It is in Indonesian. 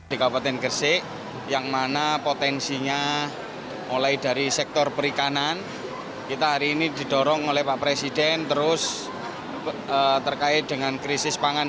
di kabupaten gresik yang mana potensinya mulai dari sektor perikanan kita hari ini didorong oleh pak presiden terus terkait dengan krisis pangan